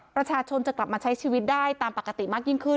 ประชาชนจะกลับมาใช้ชีวิตได้ตามปกติมากยิ่งขึ้น